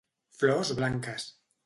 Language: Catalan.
Flors blanques.